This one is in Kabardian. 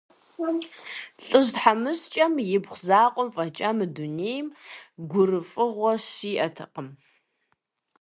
ЛӀыжь тхьэмыщкӀэм ипхъу закъуэм фӀэкӀа мы дунейм гурыфӀыгъуэ щиӀэтэкъым.